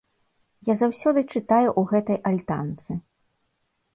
Я заўсёды чытаю ў гэтай альтанцы.